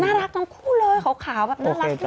รักทั้งคู่เลยขาวแบบน่ารักดี